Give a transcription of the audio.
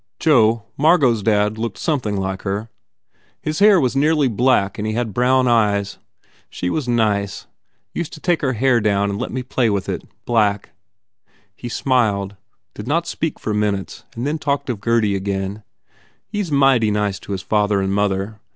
Joe Margot s dad looked something like her. His hair was nearly black and he had brown eyes. She was nice. Used to take her hair down and let me play with it. Black." He smiled, did not speak for minutes and then talked of Gurdy again, "He s mighty nice to his father and mother.